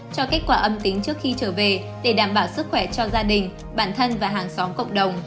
cho kết quả âm tính trước khi trở về để đảm bảo sức khỏe cho gia đình bản thân và hàng xóm cộng đồng